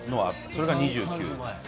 それが２９。